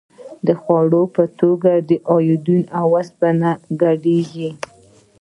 د خوړو په توکو کې ایوډین او اوسپنه ګډیږي؟